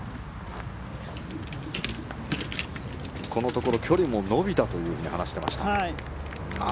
このところ距離も伸びたというふうに話していました。